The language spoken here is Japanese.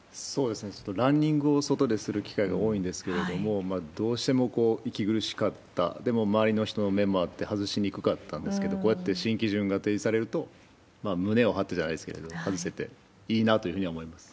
ちょっとランニングを外でする機会が多いんですけれども、どうしても息苦しかった、でも、周りの人の目もあって、外しにくかったんですけど、こうやって新基準が提示されると、胸を張ってじゃないですけれども、外せていいなというふうには思います。